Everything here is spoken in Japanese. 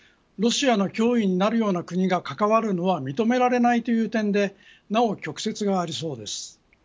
ロシアの脅威になるような国が関わるのは認められないという点でなお曲折がありそうです。